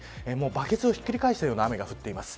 バケツをひっくり返したような雨が降っています。